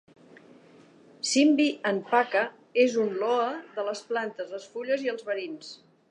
Simbi Anpaka és un loa de les plantes, les fulles i els verins.